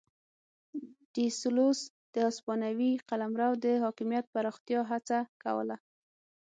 ډي سلوس د هسپانوي قلمرو د حاکمیت پراختیا هڅه کوله.